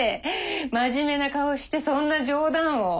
真面目な顔してそんな冗談を。